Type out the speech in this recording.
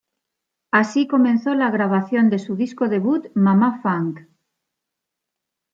Así comenzó la grabación de su disco debut "Mama Funk".